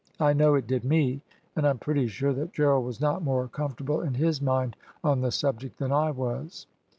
I know it did me, and I am pretty sure that Gerald was not more comfortable in his mind on the subject than I was.